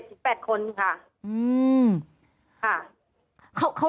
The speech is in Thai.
มันเป็นอาหารของพระราชา